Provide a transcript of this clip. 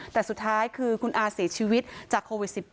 แต่สุดท้ายคือคุณอาเสียชีวิตจากโควิด๑๙